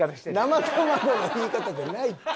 「生卵」の言い方じゃないって。